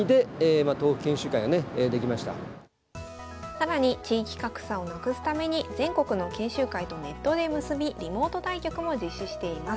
更に地域格差をなくすために全国の研修会とネットで結びリモート対局も実施しています。